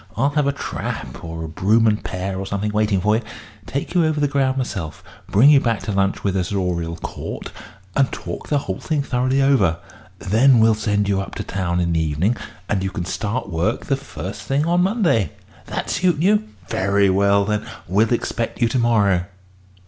I'll have a trap, or a brougham and pair, or something, waiting for you take you over the ground myself, bring you back to lunch with us at Oriel Court, and talk the whole thing thoroughly over. Then we'll send you up to town in the evening, and you can start work the first thing on Monday. That suit you? Very well, then. We'll expect you to morrow."